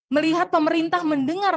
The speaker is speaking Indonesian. melihat pemerintah mendengar